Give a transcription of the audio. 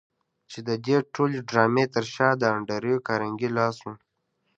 چې د دې ټولې ډرامې تر شا د انډريو کارنګي لاس و.